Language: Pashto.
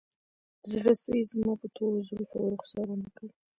زړسوی یې زما په تورو زلفو او رخسار ونه کړ